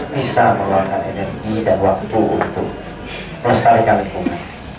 bisa mengeluarkan energi dan waktu untuk melestarikan lingkungan